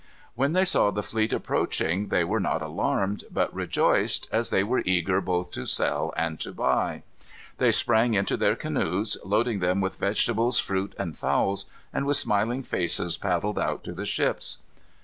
When they saw the fleet approaching they were not alarmed, but rejoiced, as they were eager both to sell and to buy. They sprang into their canoes, loading them with vegetables, fruit, and fowls, and with smiling faces paddled out to the ships.